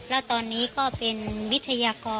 แล้วตอนนี้ก็เป็นวิทยากร